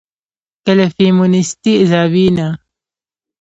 که له فيمنستي زاويې نه